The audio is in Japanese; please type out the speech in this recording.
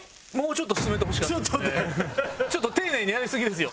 ちょっと丁寧にやりすぎですよ。